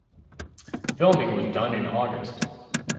Filming was done in August.